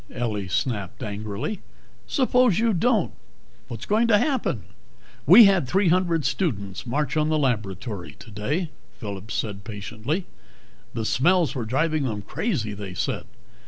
Ellie snapped angrily. "Suppose you don't what's going to happen?" "We had three hundred students march on the laboratory today," Phillip said patiently. "The smells were driving them crazy, they said.